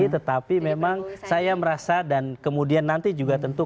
tetapi memang saya merasa dan kemudian nanti juga tentu